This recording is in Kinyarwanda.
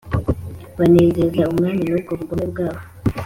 Banezeza umwami n’ubwo bugome bwabo,